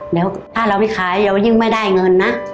เดี๋ยวถ้าเราไม่ขายเรายิ่งไม่ได้เงินนะ